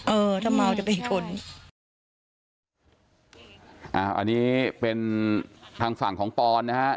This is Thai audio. เออถ้าเมาจะเป็นคนอ่าอันนี้เป็นทางฝั่งของปอนนะฮะ